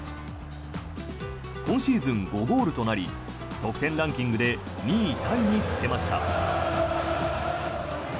今シーズン５ゴールとなり得点ランキングで２位タイにつけました。